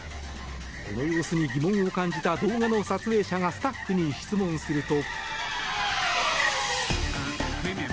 この様子に疑問を感じた動画の撮影者がスタッフに質問すると。